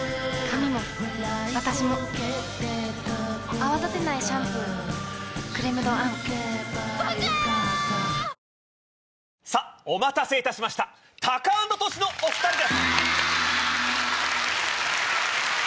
続いてはさぁお待たせいたしましたタカアンドトシのお２人です。